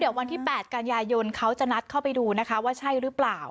เดี๋ยววันที่๘กันยายนเขาจะนัดเข้าไปดูนะคะว่าใช่หรือเปล่า